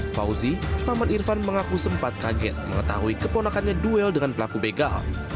fauzi paman irfan mengaku sempat kaget mengetahui keponakannya duel dengan pelaku begal